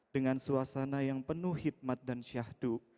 dengan suasana yang penuh hikmat dan syahdu